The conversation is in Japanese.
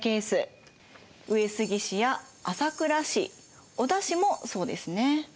上杉氏や朝倉氏織田氏もそうですね。